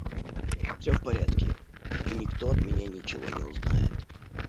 Все в порядке, и никто от меня ничего не узнает».